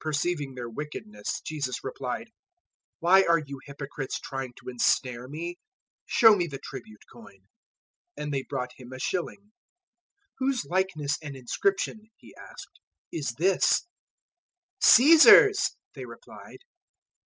022:018 Perceiving their wickedness, Jesus replied, "Why are you hypocrites trying to ensnare me? 022:019 Show me the tribute coin." And they brought Him a shilling. 022:020 "Whose likeness and inscription," He asked, "is this?" 022:021 "Caesar's," they replied.